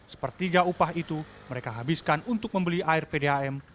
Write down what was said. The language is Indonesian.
sepertiga upah itu mereka habiskan untuk membeli air pdam